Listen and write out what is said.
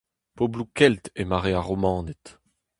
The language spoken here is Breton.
Pobloù kelt e mare ar Romaned.